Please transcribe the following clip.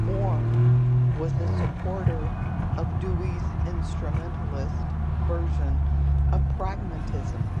Moore was a supporter of Dewey's instrumentalist version of pragmatism.